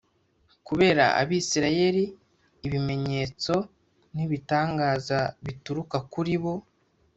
kubera abisirayeli ibimenyetso n ibitangaza bituruka kuri bo